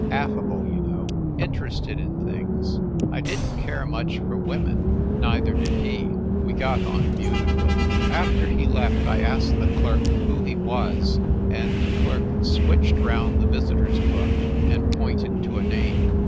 Af fable, you know. Interested in things. I didn t care much for women, neither did he. We got on beau tifully. After he left I asked the clerk who he was, and the clerk switched round the visitor s book and pointed to a name.